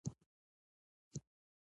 رحمان لا نه بالِغ شوم او نه عاقل.